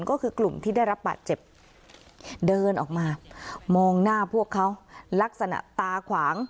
ก็คือกลุ่มที่ได้รับบาดเจ็บเดินออกมามองหน้าพวกเขาลักษณะตาขวาง